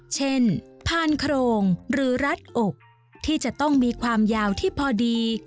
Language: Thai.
พานโครงหรือรัดอกที่จะต้องมีความยาวที่พอดี